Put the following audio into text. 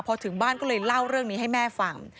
พอถึงบ้านก็เลยเล่าเรื่องนี้ให้แม่ฟัง